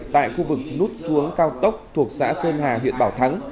tại khu vực nút xuống cao tốc thuộc xã sơn hà huyện bảo thắng